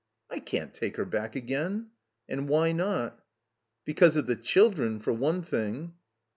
I can't take her back again." "And why not?" "Because of the children — ^for one thing."